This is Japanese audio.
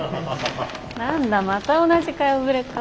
何だまた同じ顔ぶれか。